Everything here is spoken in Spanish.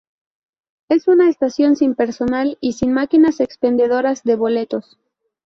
Es una estación sin personal y sin máquinas expendedoras de boletos.